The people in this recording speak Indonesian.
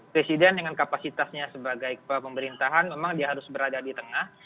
presiden dengan kapasitasnya sebagai pemerintahan memang dia harus berada di tengah